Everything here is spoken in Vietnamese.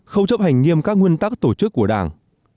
không chấp hành nghiêm các nguyên tắc tổ chức của đảng